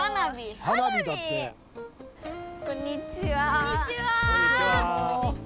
こんにちは。